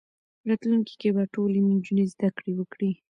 راتلونکي کې به ټولې نجونې زدهکړې وکړي.